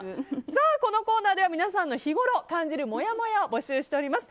このコーナーでは皆さんの日ごろ感じるもやもやを募集しております。